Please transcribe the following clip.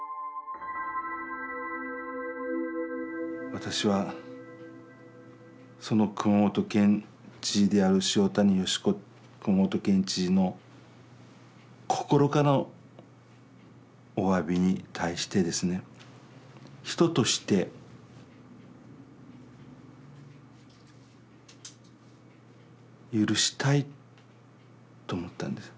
私は熊本県知事である潮谷義子熊本県知事の心からのおわびに対してですね人として。許したいと思ったんです。